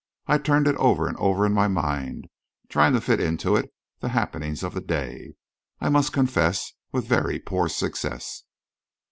I turned it over and over in my mind, trying to fit into it the happenings of the day I must confess with very poor success.